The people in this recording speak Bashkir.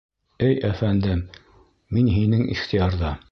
— Эй әфәндем, мин һинең ихтыярҙа.